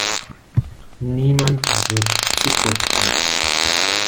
Niemand wird zu kurz kommen.